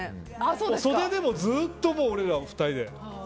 袖でもずっと俺らは２人で。